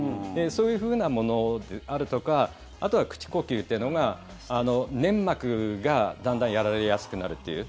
そういうふうなものであるとかあとは口呼吸というのが粘膜が、だんだんやられやすくなるという。